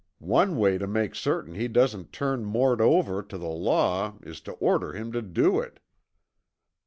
One way to make certain he doesn't turn Mort over to the law is to order him to do it."